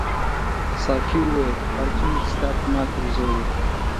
ساقي وویل هر څومره چې ستا پر ما پیرزو وې.